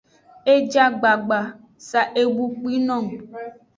E ja gbagba, sa e bu kpi nung.